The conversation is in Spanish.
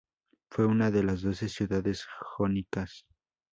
Fue una de las doce ciudades jónicas.